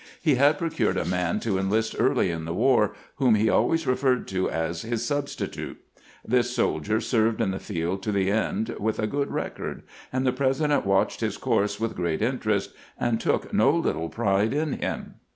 He had procured a man to enlist early in the war, whom he always referred to as his " substitute." This soldier served in the field to the end with a good record, and the President watched his course with great interest, and took no little pride in him.